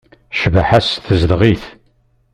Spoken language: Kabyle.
Cbaḥa-s tezdeɣ-it.